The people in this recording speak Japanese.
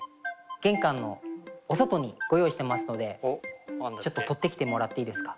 玄関のお外にご用意してますのでちょっと取ってきてもらっていいですか。